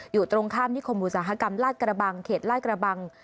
อยู่ตรงข้ามนิคมอุตสาหกรรมลาดกระบังเขตลาดกระบัง